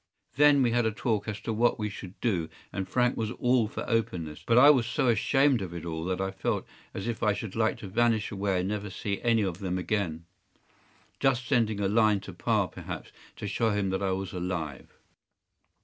” “Then we had a talk as to what we should do, and Frank was all for openness, but I was so ashamed of it all that I felt as if I should like to vanish away and never see any of them again—just sending a line to pa, perhaps, to show him that I was alive.